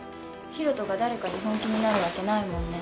広斗が誰かに本気になるわけないもんね？